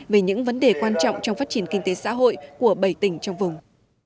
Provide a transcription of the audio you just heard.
về những vấn đề quan trọng trong phát triển kinh tế xã hội của bảy tỉnh trong vùng